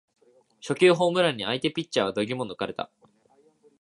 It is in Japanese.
初球ホームランに相手ピッチャーは度肝を抜かれた